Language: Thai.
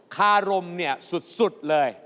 คารมเนี่ยสุดเลย